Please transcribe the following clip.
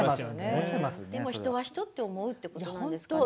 でも、人は人って思うってことなんですかね。